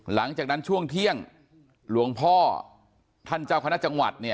หลังจากนั้นช่วงเที่ยงหลวงพ่อท่านเจ้าคณะจังหวัดเนี่ย